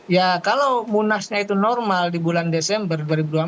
ya kalau munasnya itu normal di bulan desember dua ribu dua puluh